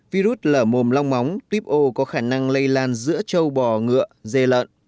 virus lở mồm long móng tuyếp ô có khả năng lây lan giữa châu bò ngựa dê lợn